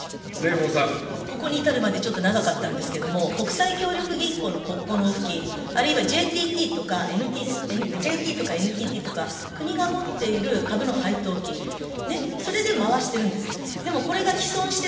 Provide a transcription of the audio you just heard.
ここに至るまで、ちょっと長かったんですけれども、国際協力銀行の国庫納付金、あるいはＪＴとか、ＮＴＴとか国が持っている株の配当金、ね、それで回してるんです。